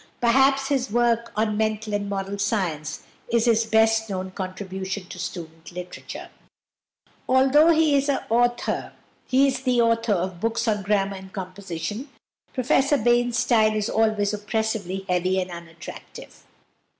Perhaps his work on "Mental and Moral Science" is his best known contribution to student literature. Although he is the author of books on grammar and composition, Professor Bain's style is always oppressively heavy and unattractive.